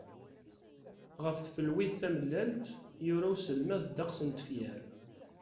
Ɣef tfelwit tamellalt, yura uselmad ddeqs n tefyar.